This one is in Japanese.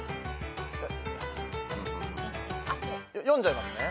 読んじゃいますね。